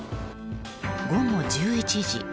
午後１１時。